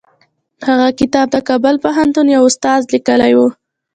هغه کتاب د کابل پوهنتون یوه استاد لیکلی و.